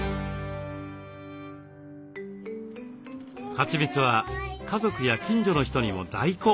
はちみつは家族や近所の人にも大好評。